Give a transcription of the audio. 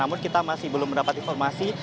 namun kita masih belum mendapat informasi